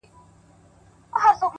د زاړه عکس څنډې تل لږ تاو وي!